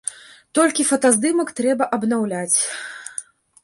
Толькі фотаздымак трэба абнаўляць.